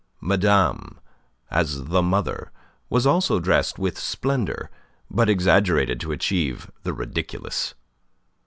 Madame, as the mother, was also dressed with splendour, but exaggerated to achieve the ridiculous.